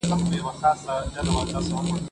سبزیجات د مور له خوا جمع کيږي؟